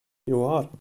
Yuɛeṛ.